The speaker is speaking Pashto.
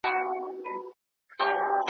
دوې یې توري غټي سترګي وې په سر کي `